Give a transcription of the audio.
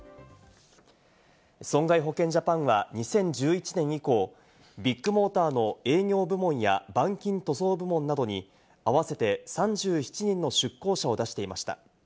損害保険ジャパンは２０１１年以降、ビッグモーターの営業部門や板金塗装部門などに合わせて３７人の出向者を出していました。